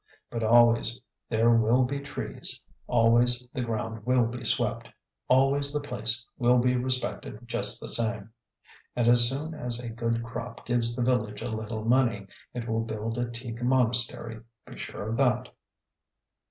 But always there will be trees, always the ground will be swept, always the place will be respected just the same. And as soon as a good crop gives the village a little money, it will build a teak monastery, be sure of that.